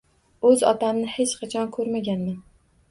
O`z otamni hech qachon ko`rmaganman